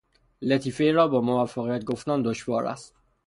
لطیفهای را با موفقیت گفتن دشوار است.